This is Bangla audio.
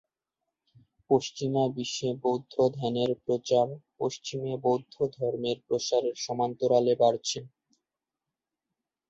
পশ্চিমা বিশ্বে বৌদ্ধ ধ্যানের প্রচার পশ্চিমে বৌদ্ধধর্মের প্রসারের সমান্তরালে বাড়ছে।